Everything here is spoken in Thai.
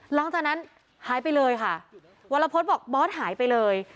หลังจากนั้นหายไปเลยค่ะวรพฤษบอกบอสหายไปเลย